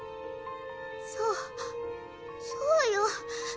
そうそうよ。